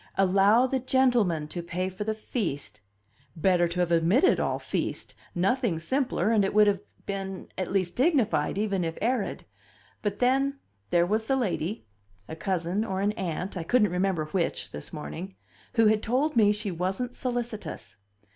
Allow the gentleman to pay for the feast! Better to have omitted all feast; nothing simpler, and it would have been at least dignified, even if arid. But then, there was the lady (a cousin or an aunt I couldn't remember which this morning) who had told me she wasn't solicitous.